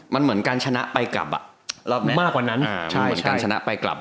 มันเหมือนการชนะไปกลับอ่ะมากกว่านั้น